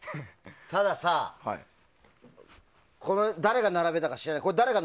たださ、誰が並べたか知らないけど。